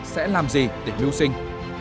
sẽ làm gì để mưu sinh